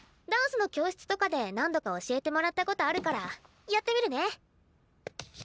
ダンスの教室とかで何度か教えてもらったことあるからやってみるね。